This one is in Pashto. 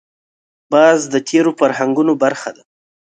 باز د تېرو فرهنګونو برخه ده